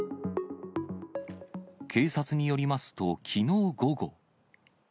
警察によりますと、きのう午後。